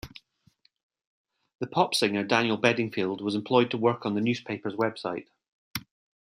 The pop singer Daniel Bedingfield was employed to work on the newspaper's website.